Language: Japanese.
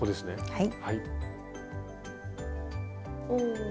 はい。